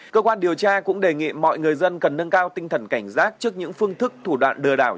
cơ quan điều tra cũng đề nghị mọi người dân cần nâng cao tinh thần cảnh giác trước những phương thức thủ đoạn lừa đảo